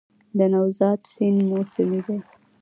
د نوزاد سیند موسمي دی